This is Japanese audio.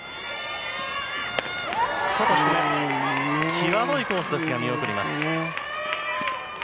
際どいコースですが見送ります。